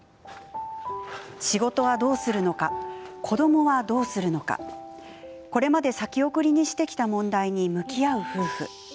仕事はどうするのか子どもはどうするのかこれまで先送りにしてきた問題に向き合う夫婦。